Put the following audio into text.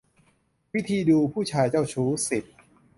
วิธีดูผู้ชายเจ้าชู้ สิบ